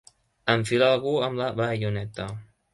Enfilar algú amb la baioneta.